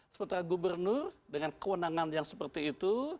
sementara gubernur dengan kewenangan yang seperti itu